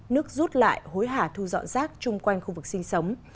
nước rút lại hối hả thu dọn rác chung quanh khu vực sinh sống